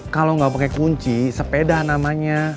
kalau nggak pakai kunci sepeda namanya